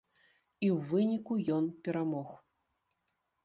І ў выніку ён перамог.